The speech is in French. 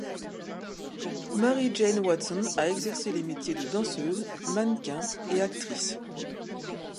Mary-Jane Watson a exercé les métiers de danseuse, mannequin et actrice.